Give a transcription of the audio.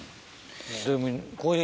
でも。